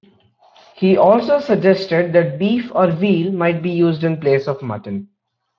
He also suggested that beef or veal might be used in place of mutton.